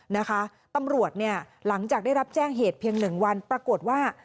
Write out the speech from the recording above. นะคะตำรวจเนี่ยหลังจากได้รับแจ้งเหตุเพียงหนึ่งวันปรากฏว่า